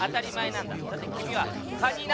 だってきみはカニなんだから。